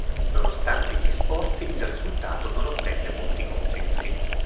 Nonostante gli sforzi il risultato non ottenne molti consensi.